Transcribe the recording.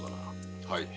はい。